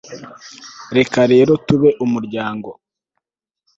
reka rero tube umuryango